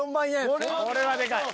これはでかい。